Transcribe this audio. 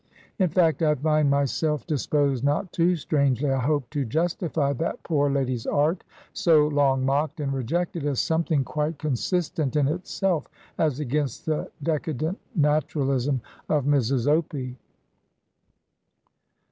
In fact, I find myself dis posed, not too strangely, I hope, to justify that poor lady's art, so long mocked and rejected, as something quite consistent in itself, as against the decadent nat uraUsm of Mrs. Opie.